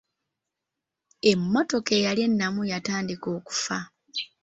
Emmotoka eyali ennamu yatandika okufa.